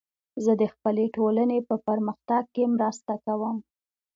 زه د خپلې ټولنې په پرمختګ کې مرسته کوم.